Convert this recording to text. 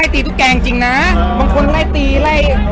ตีตุ๊กแกจริงนะบางคนไล่ตีไล่